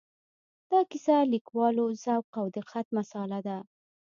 دا د کیسه لیکوالو ذوق او دقت مساله ده.